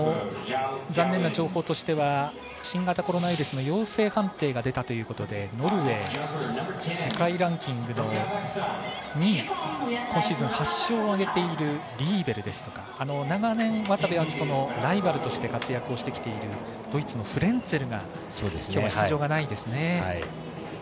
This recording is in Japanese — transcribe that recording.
残念な情報としては新型コロナウイルスの陽性判定が出たということでノルウェー世界ランキングの２位今シーズン８勝を挙げているリーベルですとか長年渡部暁斗のライバルとして活躍しているドイツのフレンツェルがきょうは出場がないですね。